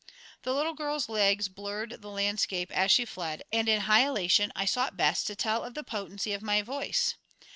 The little girl's legs blurred the landscape as she fled, and in high elation I sought Bess to tell of the potency of my voice.